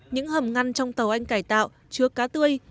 những hầm ngăn trong tàu anh cải tạo chứa cá tươi